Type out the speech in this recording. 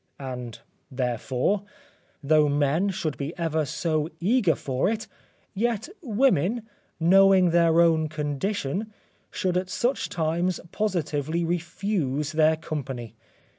And, therefore, though men should be ever so eager for it, yet women, knowing their own condition, should at such times positively refuse their company.